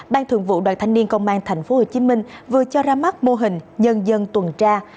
ban thường vụ đoàn thanh niên công an tp hcm vừa cho ra mắt mô hình nhân dân tuần tra